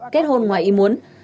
kết hôn ngoài im muốn